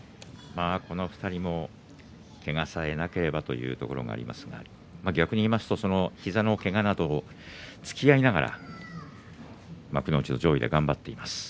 この２人もけがさえなければというところがありますが逆にいいますと膝のけがなど、つきあいながら幕内上位で頑張っています。